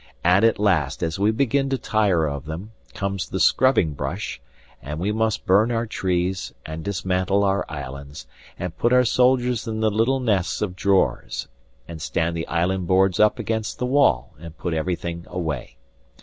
And at last, as we begin to tire of them, comes the scrubbing brush, and we must burn our trees and dismantle our islands, and put our soldiers in the little nests of drawers, and stand the island boards up against the wall, and put everything away.